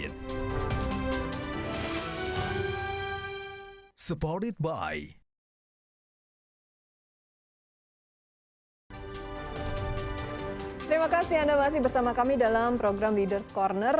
terima kasih anda masih bersama kami dalam program leaders' corner